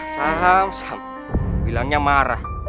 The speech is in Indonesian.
sam sam bilangnya marah